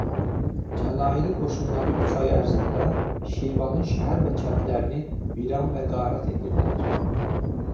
Cəlairi qoşunları üç ay ərzində Şirvanın şəhər və kəndlərini viran və qarət etdilər.